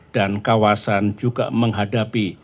dan kawasan juga menghadapi